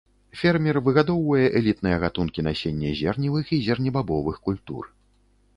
Фермер выгадоўвае элітныя гатункі насення зерневых і зернебабовых культур.